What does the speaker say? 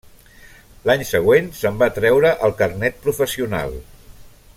L'any següent se'n va treure el carnet professional.